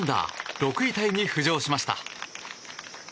６位タイに浮上しました。